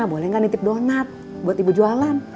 boleh nggak nitip donat buat ibu jualan